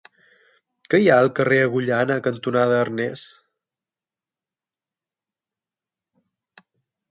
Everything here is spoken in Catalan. Què hi ha al carrer Agullana cantonada Arnes?